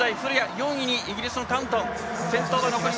４位にイギリスのタウントン。